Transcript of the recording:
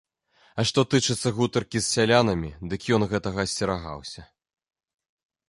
А што тычыцца гутаркі з сялянамі, дык ён гэтага асцерагаўся.